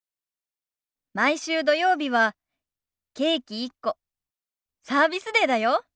毎週土曜日はケーキ１個サービスデーだよ。